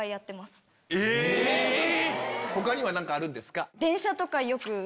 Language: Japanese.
他には何かあるんですか？